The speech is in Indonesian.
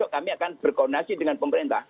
kami akan berkoordinasi dengan pemerintah